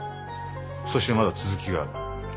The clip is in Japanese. そしてまだ続きがある。